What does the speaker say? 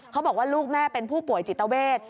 เขาบอกว่าลูกแม่เป็นผู้ป่วยจิตเวท